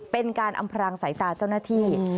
เป็นการอำพรางสายตาเจ้าหน้าที่